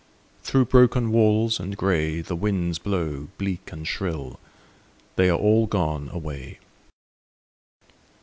Through broken walls and gray The winds blow bleak and shrill: They are all gone away.